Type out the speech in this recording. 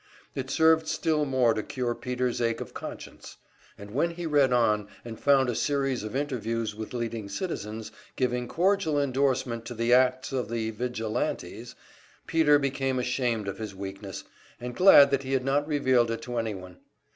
It served still more to cure Peter's ache of conscience; and when he read on and found a series of interviews with leading citizens, giving cordial endorsement to the acts of the "vigilantes," Peter became ashamed of his weakness, and glad that he had not revealed it to anyone.